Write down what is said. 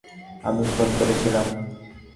আমি ফোন করেছিলাম।